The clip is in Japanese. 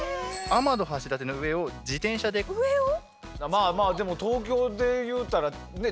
まあまあでも東京で言うたらねえ